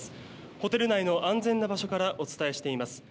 ホテル内の安全な場所からお伝えしています。